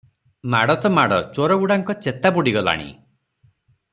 ମାଡ଼ ତ ମାଡ଼, ଚୋରଗୁଡ଼ାଙ୍କ ଚେତା ବୁଡ଼ିଗଲାଣି ।